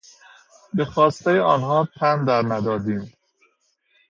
به خواسته آنها تن در ندادیم.